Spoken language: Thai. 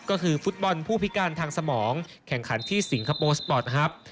ก็คือฟุตบอลผู้พิการทางสมองแข่งขันที่สิงคโปร์สปอร์ตฮัพ